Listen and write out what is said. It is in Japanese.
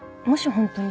本当に。